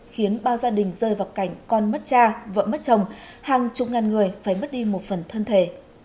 khiến bao gia đình rơi vào cảnh con mất cha vợ mất chồng hàng chục ngàn người phải mất đi một phần thân thể